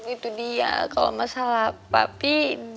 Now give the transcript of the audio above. itu dia kalau masalah papi